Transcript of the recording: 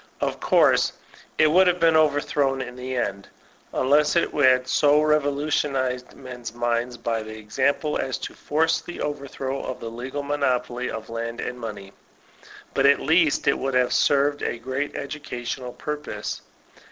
Of course, it would have been overthrown in the end, unless it had so revolutionized men's minds by the example as to force the overthrow of the legal monopoly of land and money ; but at least it would have served a great educational purpose.